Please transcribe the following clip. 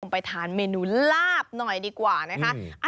ไปทานเมนูลาบหน่อยดีกว่านะคะ